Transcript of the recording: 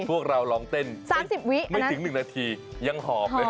พวกเรารองเต้นไม่ถึง๑นาทียังหออบ